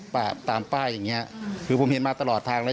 ตามป้ายอย่างเงี้ยคือผมเห็นมาตลอดทางแล้ว